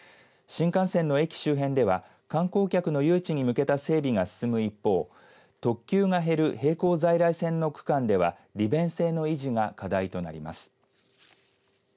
新幹線の駅周辺では観光客の誘致に向けた整備が進む一方特急が減る並行在来線の区間では利便性の維持が課題となります。